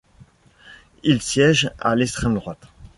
Il siège à l'extrême droite.